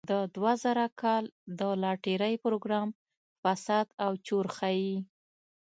د دوه زره کال د لاټرۍ پروګرام فساد او چور ښيي.